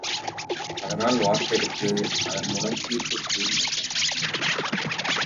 அதனால் வாக்கெடுத்து அதன் மூலம் தீர்ப்புக் கூறி வந்தனர்.